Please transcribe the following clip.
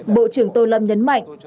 bộ trưởng tô lâm nhấn mạnh